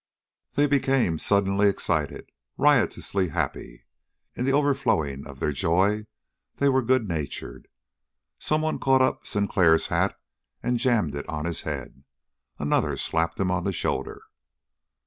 They became suddenly excited, riotously happy. In the overflowing of their joy they were good natured. Some one caught up Sinclair's hat and jammed it on his head. Another slapped him on the shoulder.